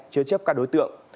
chứa chấp các đối tượng